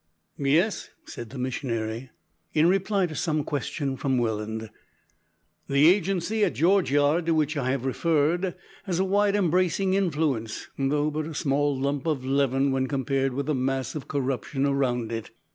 "Yes," said the missionary, in reply to some question from Welland, "the agency at George Yard, to which I have referred, has a wide embracing influence though but a small lump of leaven when compared with the mass of corruption around it.